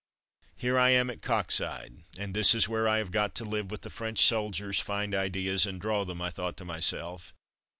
*'Here I am at Coxyde, and this is where I have got to live with the French soldiers, find ideas, and draw them,'' I thought to myself.